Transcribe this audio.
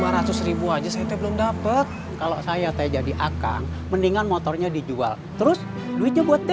rp lima ratus rp aja saya belum dapet